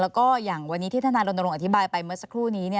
แล้วก็อย่างวันนี้ที่ทนายรณรงค์อธิบายไปเมื่อสักครู่นี้